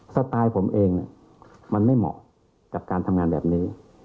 สไตล์ผมเองมันไม่เหมาะกับการทำงานแบบนี้